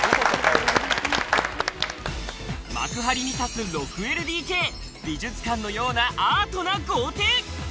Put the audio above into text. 幕張に立つ６ＬＤＫ、美術館のようなアートな豪邸。